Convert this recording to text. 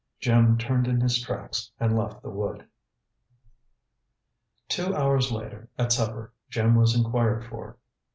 Jim turned in his tracks and left the wood. Two hours later, at supper, Jim was inquired for.